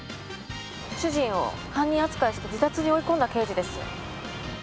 主人を犯人扱いして自殺に追い込んだ刑事です。